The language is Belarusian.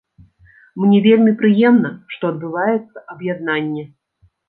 Мне вельмі прыемна, што адбываецца аб'яднанне.